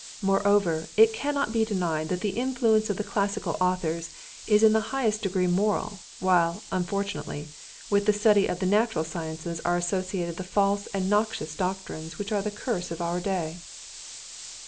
Moreover, it cannot be denied that the influence of the classical authors is in the highest degree moral, while, unfortunately, with the study of the natural sciences are associated the false and noxious doctrines which are the curse of our day."